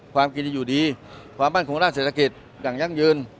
ความกินจะอยู่ดีความมั่นคงด้านเศรษฐกิจอย่างยั่งยืน